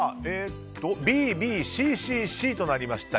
Ｂ、Ｂ、Ｃ、Ｃ、Ｃとなりました。